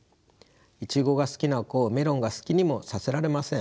イチゴが好きな子をメロンが好きにもさせられません。